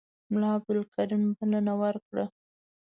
ملا عبدالکریم بلنه ورکړه.